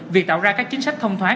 việc tạo ra các chính sách thông thoái